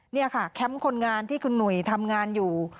นี่ค่ะแคมป์คนงานที่คุณหนุ่ยทำงานอยู่